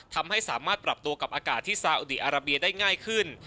ทำให้สามารถปรับตัวกับอากาศที่ซาอุดีอาราเบียได้ง่ายขึ้น